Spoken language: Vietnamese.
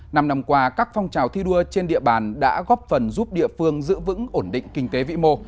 năm năm qua các phong trào thi đua trên địa bàn đã góp phần giúp địa phương giữ vững ổn định kinh tế vĩ mô